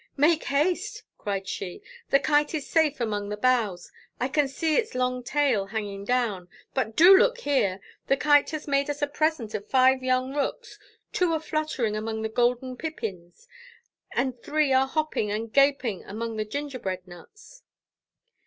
"Make haste!" cried she; "the Kite is safe among the boughs; I can see its long tail hanging down. But do look here! the Kite has made us a present of five young rooks; two are fluttering among the golden pippins, and three are hopping and gaping among the gingerbread nuts."